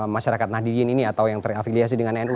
masyarakat nahdiyin ini atau yang terafiliasi dengan nu